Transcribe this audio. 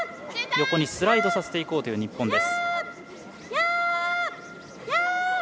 横にスライドさせていこうという日本。